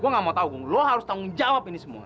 gue gak mau tahu lo harus tanggung jawab ini semua